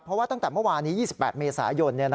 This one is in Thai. เพราะว่าตั้งแต่เมื่อวานนี้๒๘เมษายน